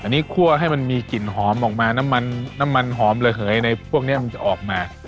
อันนี้คั่วให้มันมีกลิ่นหอมออกมาน้ำมันน้ำมันหอมระเหยในพวกนี้มันจะออกมา